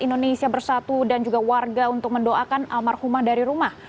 indonesia bersatu dan juga warga untuk mendoakan almarhumah dari rumah